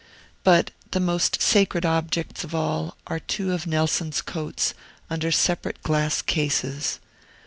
But the most sacred objects of all are two of Nelson's coats, under separate glass cases.